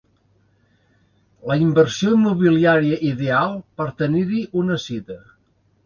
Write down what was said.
La inversió immobiliària ideal per tenir-hi una cita.